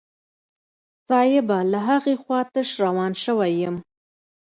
صايبه له هغې خوا تش روان سوى يم.